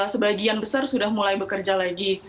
sebagian besar sudah mulai bekerja lagi